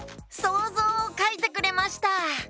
そうぞうをかいてくれました！